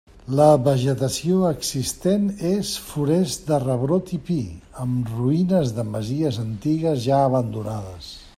La vegetació existent és forest de rebrot i pi, amb ruïnes de masies antigues ja abandonades.